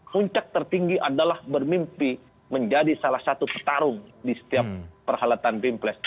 puncak tertinggi adalah bermimpi menjadi salah satu petarung di setiap perhelatan pilpres